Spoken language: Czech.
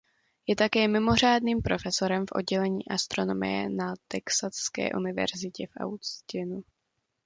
Je také mimořádným profesorem v oddělení astronomie na Texaské univerzitě v Austinu.